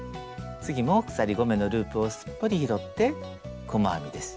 次も鎖５目のループをすっぽり拾って細編みです。